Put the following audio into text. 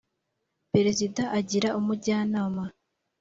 perezida agira umujyanama.